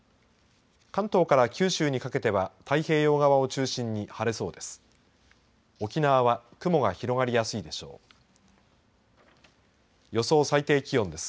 関東から九州にかけては太平洋側を中心に晴れそうです。